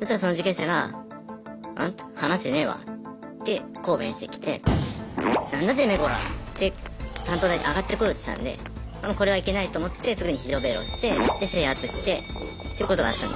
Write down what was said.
そしたらその受刑者がって抗弁してきて「何だてめえこら！」って担当台上がってこようとしたんでもうこれはいけないと思ってすぐに非常ベル押してで制圧してっていうことがあったんですけど。